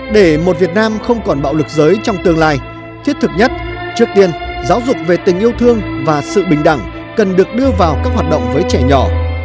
để một việt nam không còn bạo lực giới trong tương lai thiết thực nhất trước tiên giáo dục về tình yêu thương và sự bình đẳng cần được đưa vào các hoạt động với trẻ nhỏ